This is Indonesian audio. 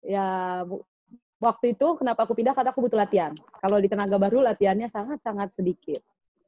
ya waktu itu kenapa aku pindah karena aku butuh latihan kalau di tenaga baru latihannya sangat sangat sedikit